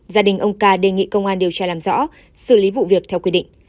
gia đình ông ca đề nghị công an điều tra làm rõ xử lý vụ việc theo quy định